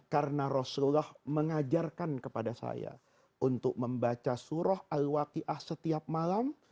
karena rasulullah mengajarkan kepada saya untuk membaca surah al waqi'ah setiap malam